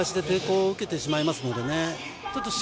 飛び出しで抵抗を受けてしまいますのでね。